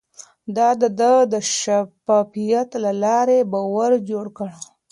ده د شفافيت له لارې باور جوړ کړ.